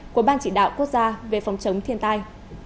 của ban chỉ đạo quốc gia về phòng chống thiên tai